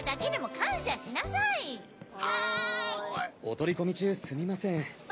お取り込み中すみません。